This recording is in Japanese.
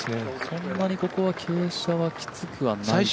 そんなにここは傾斜はきつくないですかね。